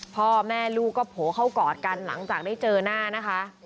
พ่อแม่ลูกก็โผล่เข้ากอดกันหลังจากได้เจอหน้านะคะ